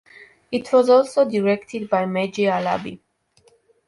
It was also directed by Meji Alabi.